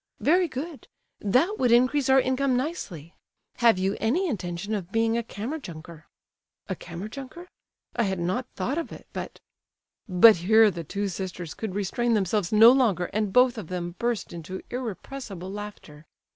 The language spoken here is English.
"Very good. That would increase our income nicely. Have you any intention of being a Kammer junker?" "A Kammer junker? I had not thought of it, but—" But here the two sisters could restrain themselves no longer, and both of them burst into irrepressible laughter.